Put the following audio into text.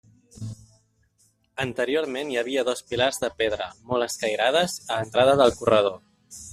Anteriorment hi havia dos pilars de pedra, molt escairades, a l'entrada del corredor.